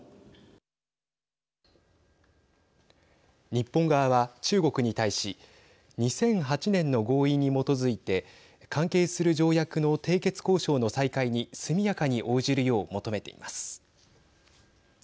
日本側は中国に対し２００８年の合意に基づいて関係する条約の締結交渉の再開に速やかに応じるよう求めています。